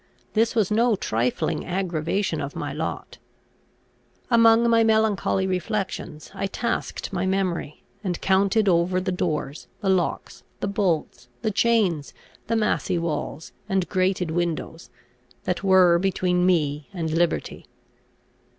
This was no trifling aggravation of my lot. [Footnote D: See Howard on Prisons.] Among my melancholy reflections I tasked my memory, and counted over the doors, the locks, the bolts, the chains, the massy walls, and grated windows, that were between me and liberty.